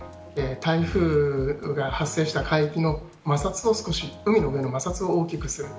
台風が発生した海域の摩擦を少し海の上の摩擦を大きくする。